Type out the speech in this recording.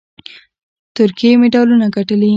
ترکیې مډالونه ګټلي